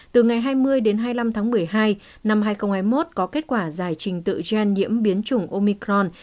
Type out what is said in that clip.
từ ngày hai mươi đến hai mươi năm tháng một mươi hai năm hai nghìn hai mươi một có kết quả giải trình tự gen nhiễm biến chủng omicron